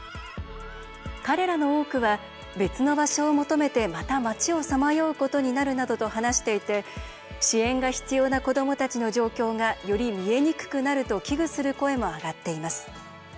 彼らの多くは「別の場所を求めてまた街をさまようことになる」などと話していて支援が必要な子どもたちの状況がより見えにくくなると危惧する声も上がっています。